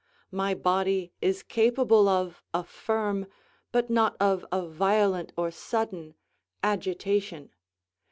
My body is capable of a firm, but not of a violent or sudden agitation.